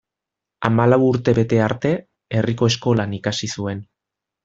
Hamalau urte bete arte herriko eskolan ikasi zuen.